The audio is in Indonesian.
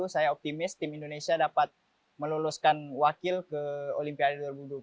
saya optimis tim indonesia dapat meloloskan wakil ke olimpiade dua ribu dua puluh empat